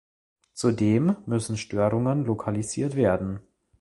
Zudem müssen Störungen lokalisiert werden.